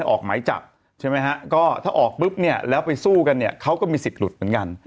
ออกหมายจับใช่ไหมฮะก็ถ้าออกปุ๊บเนี่ยแล้วไปสู้กันเนี่ยเขาก็มีสิทธิ์หลุดเหมือนกัน